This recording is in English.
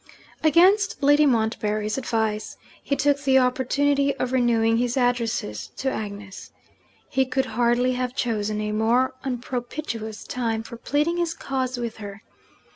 Against Lady Montbarry's advice, he took the opportunity of renewing his addresses to Agnes. He could hardly have chosen a more unpropitious time for pleading his cause with her.